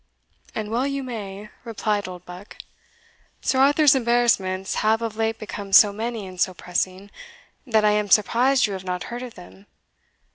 "And well you may," replied Oldbuck. "Sir Arthur's embarrassments have of late become so many and so pressing, that I am surprised you have not heard of them.